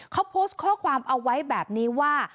เขาโพสต์ข้อความเอาไว้แบบนี้ว่า